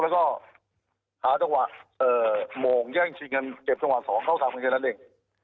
แล้วก็ขาดจังหวะโหม่งแย่งชีวิตกันเก็บจังหวะ๒๓พันเชนจนนั่นเอง